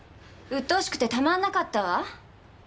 鬱陶しくてたまんなかったわ。